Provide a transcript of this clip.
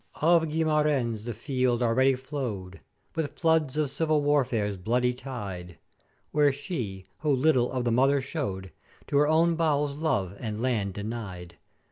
"Of Guimara'ens the field already flow'd with floods of civil warfare's bloody tide, where she, who little of the Mother show'd, to her own bowels love and land denied.